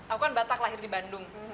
aku kan batak lahir di bandung